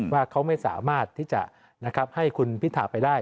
ว่าเขาไม่สามารถที่จะให้คุณพิธาไปได้